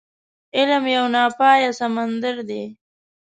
علم يو ناپايه سمندر دی.